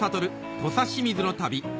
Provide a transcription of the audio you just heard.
土佐清水の旅